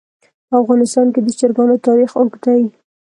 په افغانستان کې د چرګانو تاریخ اوږد دی.